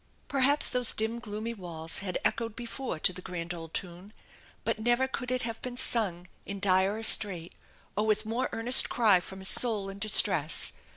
Perhaps those dim, gloomy walls had echoed before to th<j grand old tune, but never could it have been sung in direi strait, or with more earnest cry from a soul in distress.